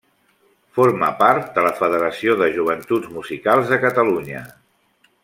Forma part de la Federació de Joventuts Musicals de Catalunya.